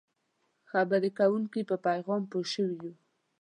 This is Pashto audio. د خبرې کوونکي په پیغام پوه شوي یو.